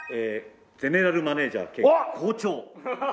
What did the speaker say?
ゼネラルマネージャー兼校長。